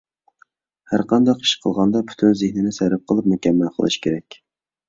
ھەر قانداق ئىش قىلغاندا پۈتۈن زېھنىنى سەرپ قىلىپ، مۇكەممەل قىلىش كېرەك.